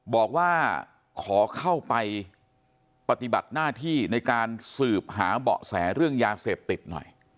บอกว่าขอเข้าไปปฏิบัติหน้าที่ในการสืบหาเบาะแสเรื่องยาเสพติดหน่อย